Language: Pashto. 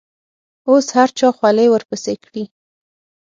اوس هر چا خولې ورپسې کړي.